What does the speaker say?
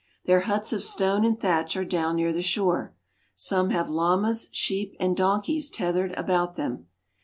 Their huts of stone and thatch are down near the shore. Some have llamas, sheep, and donkeys tethered about them.